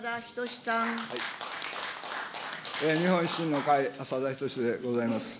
日本維新の会、浅田均でございます。